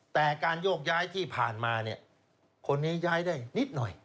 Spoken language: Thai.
แต่การโยกย้ายที่ผ่านมาเนี่ยคนนี้ย้ายได้นิดหน่อย